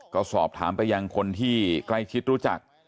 ก็สอบถามไปยังคนที่ใกล้ชิดรู้จัก